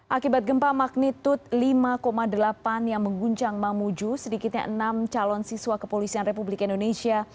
akibat gempa magnitud lima delapan yang mengguncang mamuju sedikitnya enam calon siswa kepolisian republik indonesia